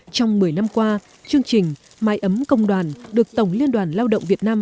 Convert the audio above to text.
trong một mươi năm qua chương trình máy ấm công đoàn được tổng liên đoàn lao động việt nam